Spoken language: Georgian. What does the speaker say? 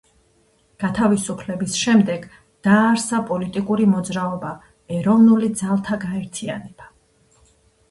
გათავისუფლების შემდეგ დააარსა პოლიტიკური მოძრაობა „ეროვნული ძალთა გაერთიანება“.